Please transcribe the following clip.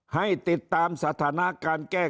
๒ให้ติดตามสถานาการเกี่ยว